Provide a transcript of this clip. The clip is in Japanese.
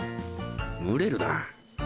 蒸れるな。